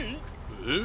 えっ？